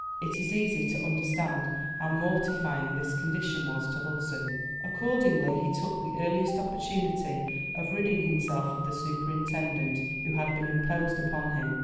It is easy to understand how mortifying this condition was to Hudson. Accordingly, he took the earliest opportunity of ridding himself of the superintendent who had been imposed upon him.